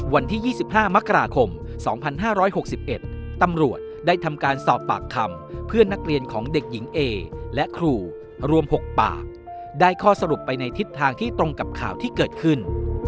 วันที่๒๕มกราคม๒๕๖๑ตำรวจได้ทำการสอบปากคำเพื่อนนักเรียนของเด็กหญิงเอและครูรวม๖ปากได้ข้อสรุปไปในทิศทางที่ตรงกับข่าวที่เกิดขึ้น